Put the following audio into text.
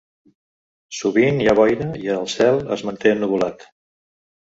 Sovint hi ha boira i el cel es manté ennuvolat.